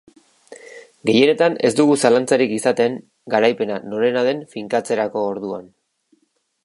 Gehienetan ez dugu zalantzarik izaten garaipena norena den finkatzerako orduan.